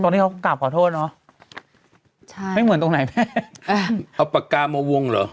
ที่เขากราบขอโทษเนอะใช่ไม่เหมือนตรงไหนแม่เอาปากกามาวงเหรอ